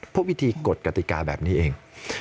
เพราะวิธีกฎกติกาแบบนี้เอง